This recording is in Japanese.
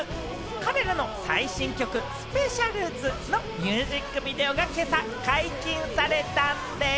彼らの最新曲『ＳＰＥＣＩＡＬＺ』のミュージックビデオが、今朝解禁されたんでぃす。